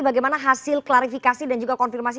bagaimana hasil klarifikasi dan juga konfirmasi